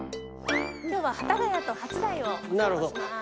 今日は幡ヶ谷と初台をお散歩します。